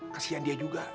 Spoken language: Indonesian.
kesian dia juga